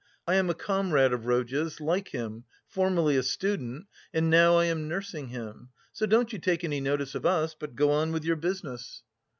I am a comrade of Rodya's, like him, formerly a student, and now I am nursing him; so don't you take any notice of us, but go on with your business."